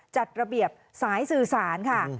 จัดระเบียบสายสื่อสารค่ะ